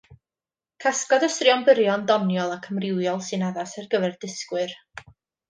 Casgliad o straeon byrion doniol ac amrywiol sy'n addas ar gyfer dysgwyr.